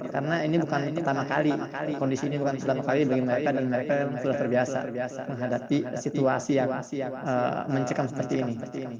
karena ini bukan pertama kali kondisi ini bukan pertama kali bagi mereka dan mereka sudah terbiasa menghadapi situasi yang mencekam seperti ini